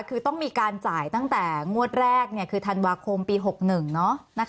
คือต้องมีการจ่ายตั้งแต่งวัดแรกเนี้ยคือธันวาคมปีหกหนึ่งเนอะนะคะ